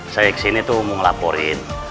saya kesini tuh mau ngelaporin